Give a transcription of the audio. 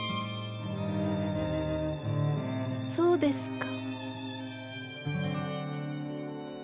そうですか。